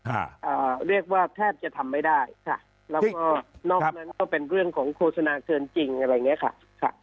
อ่าเรียกว่าแทบจะทำไม่ได้ค่ะแล้วก็นอกนั้นก็เป็นเรื่องของโฆษณาเกินจริงอะไรอย่างเงี้ยค่ะค่ะ